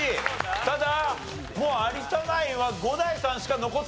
ただもう有田ナインは伍代さんしか残っていない。